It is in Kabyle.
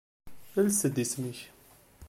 Ales-d isem-ik.